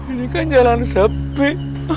ini kan jalan sepi